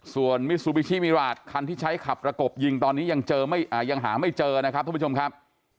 ส่วนมิซูบิชิมิราชคันที่ใช้ขับประกบยิงตอนนี้ยังหาไม่เจอนะครับท่านผู้ชมครับ